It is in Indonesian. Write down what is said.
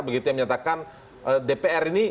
begitu yang menyatakan dpr ini